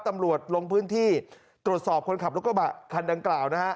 ตำรวจลงพื้นที่ตรวจสอบคนขับรถกระบะคันดังกล่าวนะฮะ